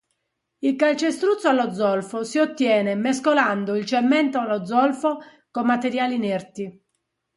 Il calcestruzzo allo zolfo si ottiene mescolando il cemento allo zolfo con materiali inerti.